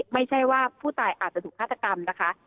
ไม่ใช่ว่าผู้ตายอาจจะถูกฆาตกรรมนะคะ